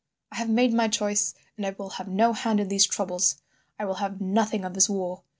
'I have made my choice, and I will have no hand in these troubles. I will have nothing of this war.